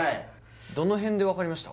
どの辺で分かりました？